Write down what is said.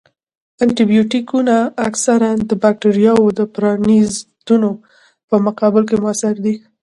انټي بیوټیکونه اکثراً د باکتریاوو او پرازیتونو په مقابل کې موثر دي.